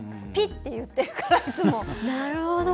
ピッていってるから。